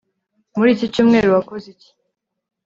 Muri iki cyumweru wakoze iki